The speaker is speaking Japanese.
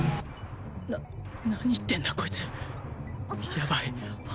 な何言ってんだこいつヤバい頭